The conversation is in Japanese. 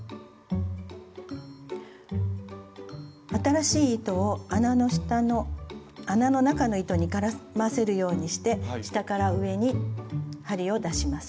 新しい糸を穴の中の糸に絡ませるようにして下から上に針を出します。